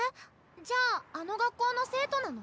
じゃああの学校の生徒なの？